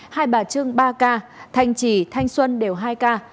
hai bà trưng ba ca thanh trì thanh xuân đều hai ca